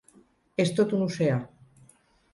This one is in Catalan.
És tot un oceà.